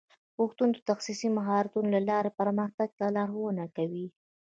پوهنتون د تخصصي مهارتونو له لارې پرمختګ ته لارښوونه کوي.